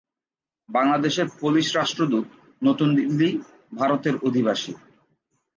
বাংলাদেশের পোলিশ রাষ্ট্রদূত নতুন দিল্লি, ভারত এর অধিবাসী।